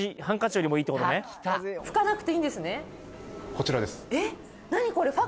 こちらです